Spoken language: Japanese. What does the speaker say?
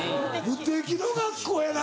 無敵の学校やな！